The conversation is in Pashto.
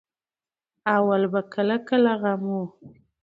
اول به کله کله غم وو.